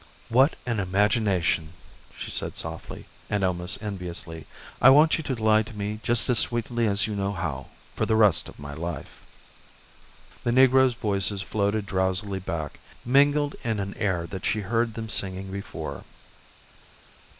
"What an imagination!" she said softly and almost enviously. "I want you to lie to me just as sweetly as you know how for the rest of my life." The negroes' voices floated drowsily back, mingled in an air that she had heard them singing before.